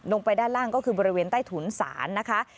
ลงไปด้านล่างก็คือบริเวณใต้ถุนศาลนะคะ